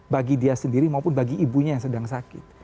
bagi dia sendiri maupun bagi ibunya yang sedang sakit